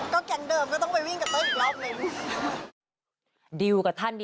แก๊งเดิมก็ต้องไปวิ่งกับเต้ยอีกรอบนึง